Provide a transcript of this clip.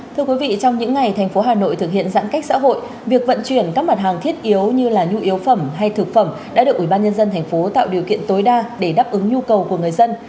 thưa quý vị trong những ngày thành phố hà nội thực hiện giãn cách xã hội việc vận chuyển các mặt hàng thiết yếu như nhu yếu phẩm hay thực phẩm đã được ủy ban nhân dân thành phố tạo điều kiện tối đa để đáp ứng nhu cầu của người dân